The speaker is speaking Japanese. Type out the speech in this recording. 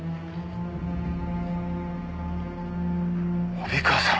帯川さん。